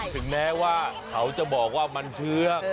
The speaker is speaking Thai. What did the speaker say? ถึงแม้ว่าเขาจะบอกว่ามันเชื้อ